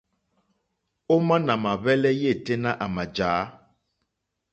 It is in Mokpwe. Òmá nà mà hwɛ́lɛ́ yêténá à mà jǎ.